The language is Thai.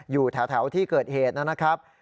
อยู่แถวที่เกิดเหตุนะครับ